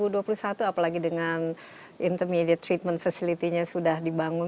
tahun dua ribu dua puluh dua ribu dua puluh satu apalagi dengan intermediate treatment facility nya sudah dibangun